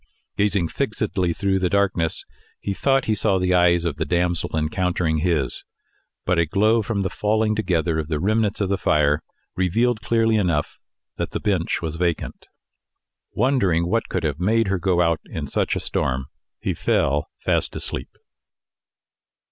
Gazing fixedly through the darkness, he thought he saw the eyes of the damsel encountering his, but a glow from the falling together of the remnants of the fire revealed clearly enough that the bench was vacant. Wondering what could have made her go out in such a storm, he fell fast asleep.